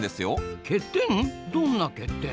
どんな欠点？